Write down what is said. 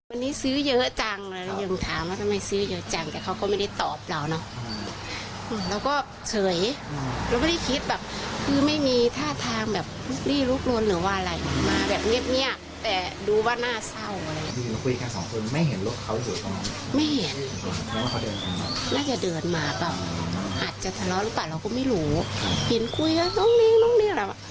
อาจจะทะเลาะหรือเปล่าเราก็ไม่รู้เห็นคุยกันตรงนี้ตรงนี้